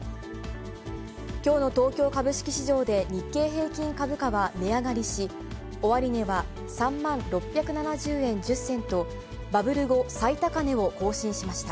きょうの東京株式市場で日経平均株価は値上がりし、終値は３万６７０円１０銭と、バブル後最高値を更新しました。